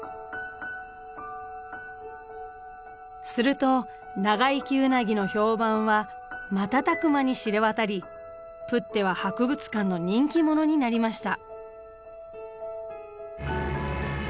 すると長生きウナギの評判は瞬く間に知れ渡りプッテは博物館の人気者になりました。